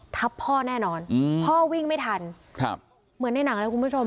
ทับพ่อแน่นอนพ่อวิ่งไม่ทันครับเหมือนในหนังเลยคุณผู้ชม